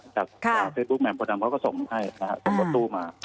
จากเฟซบุ๊กแมนโปรดัมเขาก็ส่งมาให้ส่งตัวตู้มา